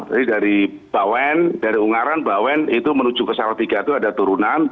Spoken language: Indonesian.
jadi dari bawen dari ungaran bawen itu menuju ke salatiga itu ada turunan